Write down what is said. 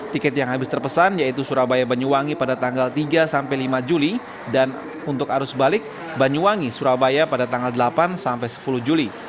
tiket yang habis terpesan yaitu surabaya banyuwangi pada tanggal tiga sampai lima juli dan untuk arus balik banyuwangi surabaya pada tanggal delapan sampai sepuluh juli